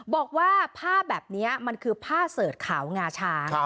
บอกว่าผ้าแบบนี้มันคือผ้าเสิร์ชขาวงาช้าง